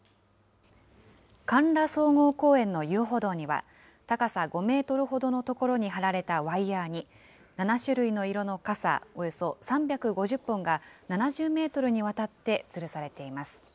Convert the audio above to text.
甘楽総合公園の遊歩道には、高さ５メートルほどの所に張られたワイヤーに、７種類の色の傘およそ３５０本が７０メートルにわたってつるされています。